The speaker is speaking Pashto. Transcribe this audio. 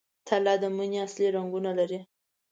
تله د مني اصلي رنګونه لري.